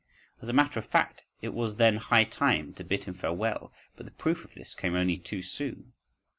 … As a matter of fact, it was then high time to bid him farewell: but the proof of this came only too soon.